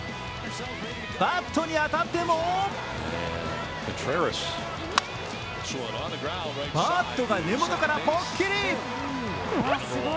バットに当たってもバットが根元からポッキリ。